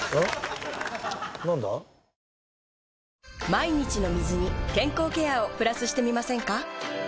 毎日の水に健康ケアをプラスしてみませんか？